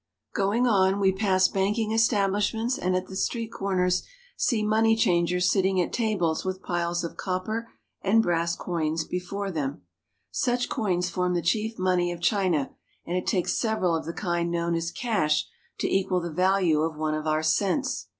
Going on, we pass bank ing establishments, and at the street corners see money changers sitting at tables with piles of copper and brass coins before them money of China, and it takes several of the kind known as cash to equal the value of one of our cents.